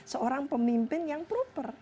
seorang pemimpin yang proper